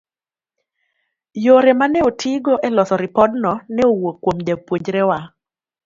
yore ma ne otigo e loso ripodno ne owuok kuom jopuonjrewa